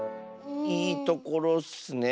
いいところッスね。